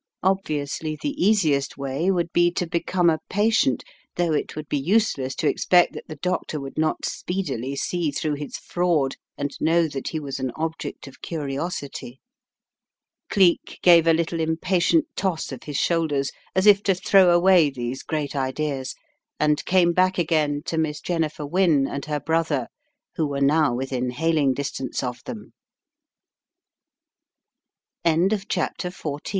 Obviously the easiest way would be to become a patient, though it would be useless to expect that the doctor would not speed ily see through his fraud and know that he was an object of curiosity. Cleek gave a little impatient toss of his shoulders as if to throw away these great ideas, and came back again to Miss Jennifer Wynne and her brother